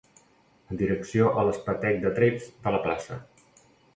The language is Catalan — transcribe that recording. En direcció a l'espetec de trets de la plaça